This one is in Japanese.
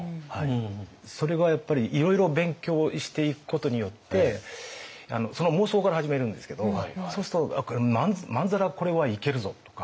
それはやっぱりいろいろ勉強していくことによってその妄想から始めるんですけどそうするとまんざらこれはいけるぞ！とか。